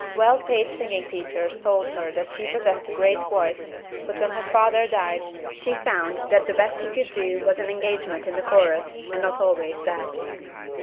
Well paid singing teachers told her that she possessed a great voice, but when her father died she found that the best she could do was an engagement in the chorus, and not always that.